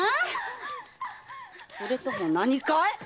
それとも何かい？